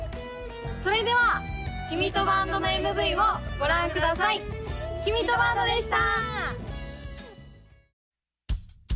それでは「きみとバンド」のＭＶをご覧くださいきみとバンドでした！